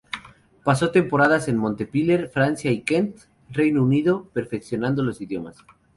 Pasó temporadas en Montpellier, Francia y Kent, Reino Unido, perfeccionando los idiomas.